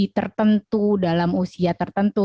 tertentu dalam usia tertentu